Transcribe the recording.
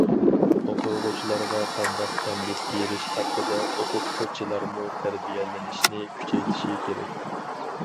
ئوقۇغۇچىلارغا قانداق تەنبىھ بېرىش ھەققىدە ئوقۇتقۇچىلارمۇ تەربىيەلىنىشنى كۈچەيتىشى كېرەك.